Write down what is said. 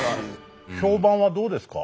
評判はどうですか？